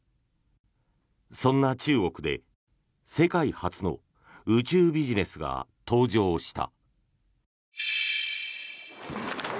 そんな中国で世界初の宇宙ビジネスが登場した。